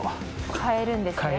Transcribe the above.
変えるんですね。